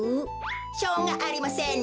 しょうがありませんね。